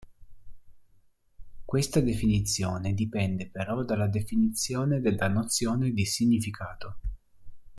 Questa definizione dipende però dalla definizione della nozione di significato.